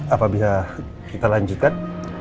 apa bisa kita lanjutkan